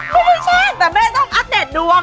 ไม่ใช่แต่แม่ต้องอัปเดตดวง